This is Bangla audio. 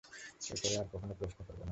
এর পরে, আর কখনো প্রশ্ন করব না।